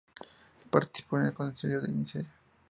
Participó en el Concilio de Nicea.